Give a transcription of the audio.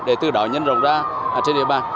để từ đó nhân rộng ra trên địa bàn